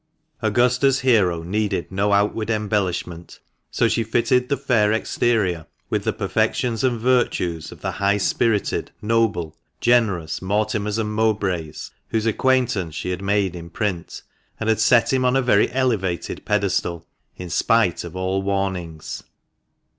Augusta's hero needed no outward embellishment, so she fitted the fair exterior with the perfections and virtues of the high spirited, noble, generous Mortimers and Mowbrays, whose acquaintance she had made in print, and had set him on a very elevated pedestal, in spite of all warnings.